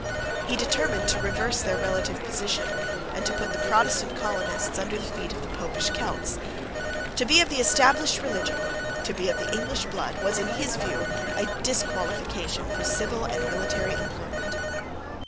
He determined to reverse their relative position, and to put the Protestant colonists under the feet of the Popish Celts. To be of the established religion, to be of the English blood, was, in his view, a disqualification for civil and military employment.